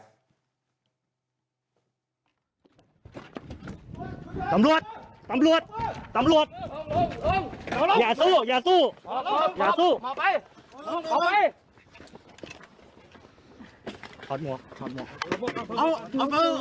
สำรวจสำรวจสำรวจ